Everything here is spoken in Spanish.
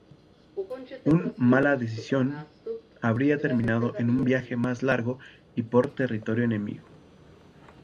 Un mala decisión habría terminado en un viaje más largo y por territorio enemigo.